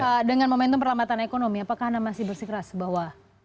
pak dengan momentum perlambatan ekonomi apakah anda masih bersikeras bahwa